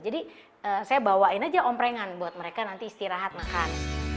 jadi saya bawain saja omprengan buat mereka nanti istirahat makan